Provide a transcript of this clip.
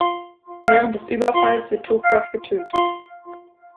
Während des Überfalls wird Tuchkov getötet.